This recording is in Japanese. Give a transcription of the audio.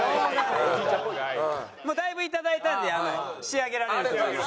もうだいぶいただいたんで仕上げられると思います。